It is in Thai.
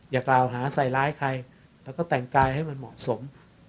อย่ากล่าวหาใส่ร้ายใครแล้วก็แต่งกายให้มันเหมาะสม